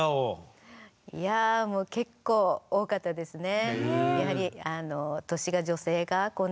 いや結構多かったですね。